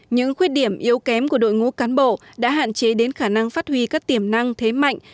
những khuyết điểm yếu kém của đội ngũ cán bộ đã hạn chế đến khả năng phát huy các tiềm năng thế mạnh